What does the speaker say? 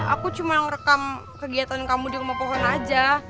aku cuma merekam kegiatan kamu di rumah pohon aja